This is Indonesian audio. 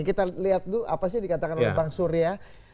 kita lihat dulu apa sih yang dikatakan oleh bang surya